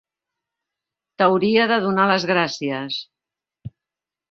T'hauria de donar les gràcies.